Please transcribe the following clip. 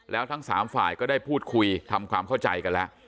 แล้วทั้ง๓ฝ่ายก็ได้พูดคุยทำความเข้าใจกันแล้ว